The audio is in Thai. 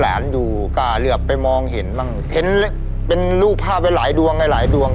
หลานอยู่กล้าเลือกไปมองเห็นบ้างเห็นเป็นรูปภาพไว้หลายดวงหลายหลายดวง